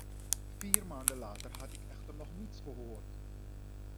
Vier maanden later had ik echter nog niets gehoord.